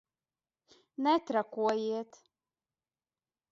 Netrakojiet!